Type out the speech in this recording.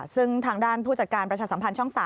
ซึ่งทางด้านผู้จัดการประชาสัมพันธ์ช่อง๓